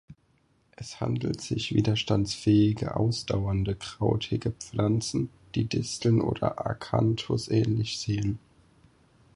Es handelt sich widerstandsfähige, ausdauernde krautige Pflanzen, die Disteln oder Akanthus ähnlich sehen.